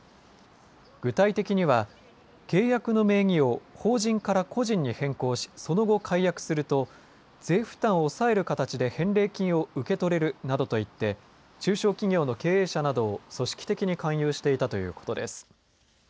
具体的には契約の名義を法人から個人に変更しその後、解約すると税負担を抑える形で返戻金を受け取れるなどと言って中小企業の経営者などを組織的に勧誘していたということです。